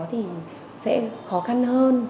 thì sẽ khó khăn hơn